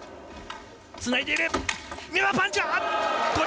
つないでいる。